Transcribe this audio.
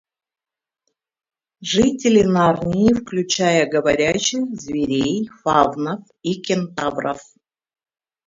Жители Нарнии, включая говорящих зверей, фавнов и кентавров